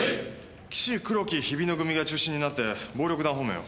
岸黒木日比野組が中心になって暴力団方面を。